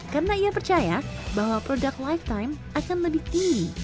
karena ia percaya bahwa produk lifetime akan lebih tinggi